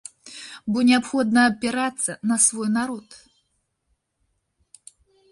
Бо неабходна абапірацца на свой народ.